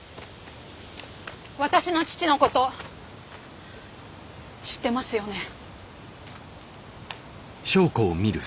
私の父のこと知ってますよね？